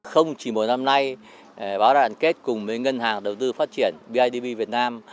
không chỉ một năm nay báo đại đoàn kết cùng với ngân hàng đầu tư phát triển bidv việt nam